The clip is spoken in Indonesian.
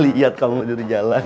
lihat kamu dari jalan